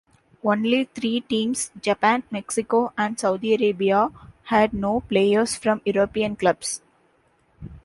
Only three teams, Japan, Mexico, and Saudi Arabia, had no players from European clubs.